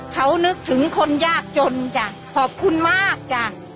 เขานึกถึงคนยากจนจ้ะขอบคุณมากจ้ะ